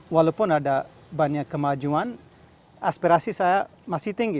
walaupun ada banyak kemajuan aspirasi saya masih tinggi